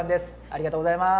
ありがとうございます！